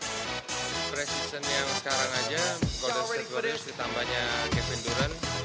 di preseason yang sekarang aja golden state golden state ditambahnya kevin durant